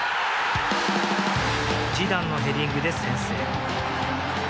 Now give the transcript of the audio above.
ジダンのヘディングで先制。